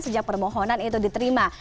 sejak permohonan itu diterima